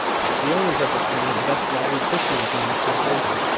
The owners of the plant thus lobbied fisheries minister Fraser.